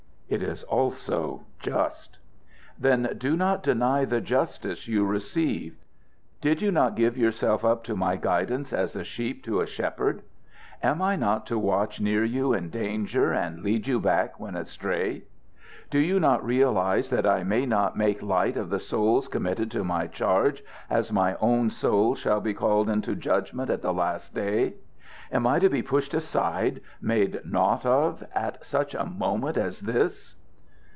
"It is also just." "Then do not deny the justice you receive. Did you not give yourself up to my guidance as a sheep to a shepherd? Am I not to watch near you in danger and lead you back when astray? Do you not realize that I may not make light of the souls committed to my charge, as my own soul shall be called into judgment at the last day? Am I to be pushed aside made naught of at such a moment as this?"